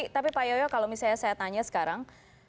tapi pak yoyo kalau misalnya saya tanya sekarang